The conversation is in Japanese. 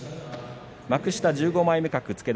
幕下１５枚目格付け